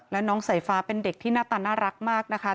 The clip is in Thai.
แล้วน้องสายฟ้าเป็นเด็กที่หน้าตาน่ารักมากนะคะ